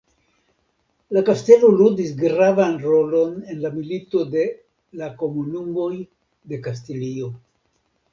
La kastelo ludis gravan rolon en la Milito de la Komunumoj de Kastilio.